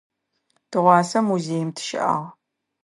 Тыгъуасэ музеим тыщыӏагъ.